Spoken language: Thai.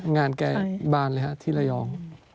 งานแก่บ้านเลยครับที่ระยอง